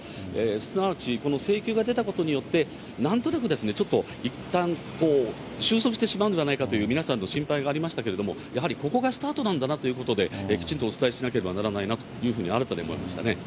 すなわち、この請求が出たことによって、なんとなくちょっといったん、収束してしまうのではないかという皆さんの心配がありましたけれども、やはりここがスタートなんだなということで、きちんとお伝えしなければならないなと、新たに思いましたね。